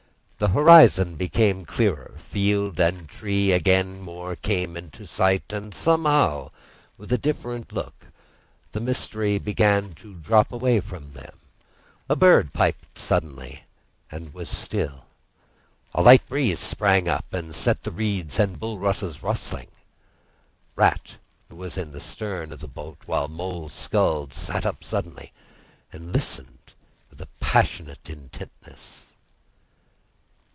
The horizon became clearer, field and tree came more into sight, and somehow with a different look; the mystery began to drop away from them. A bird piped suddenly, and was still; and a light breeze sprang up and set the reeds and bulrushes rustling. Rat, who was in the stern of the boat, while Mole sculled, sat up suddenly and listened with a passionate intentness.